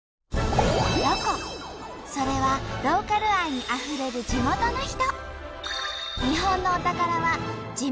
それはローカル愛にあふれる地元の人。